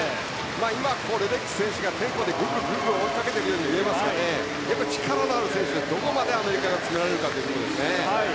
今、レデッキー選手がぐんぐん追いかけていくように見えますが力のある選手でどこまでアメリカが詰められるかですね。